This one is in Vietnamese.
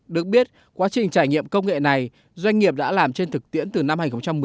được biết quá trình trải nghiệm công nghệ này doanh nghiệp đã làm trên thực tiễn từ năm hai nghìn một mươi